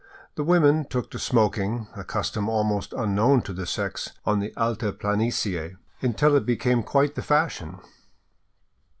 The women took to smoking, a custom almost unknown to the sex on the altiplanicie, until it become quite the fash ion.